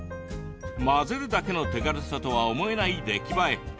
混ぜるだけの手軽さとは思えない出来栄え。